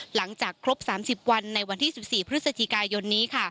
หลังจากครบ๓๐วันในวันที่๑๔พฤศจิกายนนี้